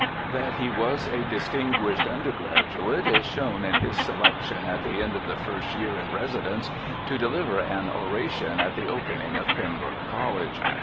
That he was a dis tinguished undergraduate is shown in his selection at the end of the first year in residence to deliver an oration at the opening of Pembroke College.